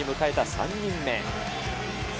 ３人目。